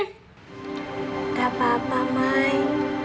tidak apa apa mai